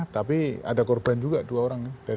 tapi ada korban juga dua orang